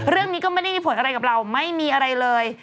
เรื่องนี้ก็ไม่ได้มีผลอะไรกับเราไม่มีอะไรเลย